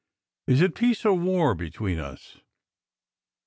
Is it peace or war between us?"